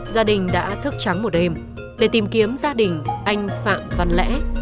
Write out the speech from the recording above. gia đình đã thức trắng một đêm để tìm kiếm gia đình anh phạm văn lẽ